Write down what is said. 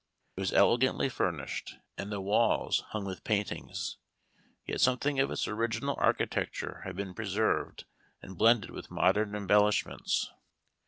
It was elegantly furnished, and the walls hung with paintings, yet something of its original architecture had been preserved and blended with modern embellishments.